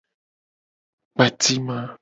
Kpatima.